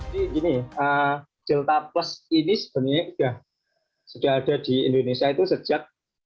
gini delta plus ini sebenarnya sudah ada di indonesia itu sejak